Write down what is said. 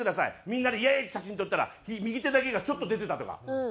みんなでイエーイ！って写真撮ったら右手だけがちょっと出てたとか。